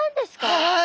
はい！